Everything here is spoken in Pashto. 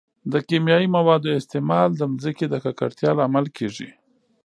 د کیمیاوي موادو استعمال د ځمکې د ککړتیا لامل کیږي.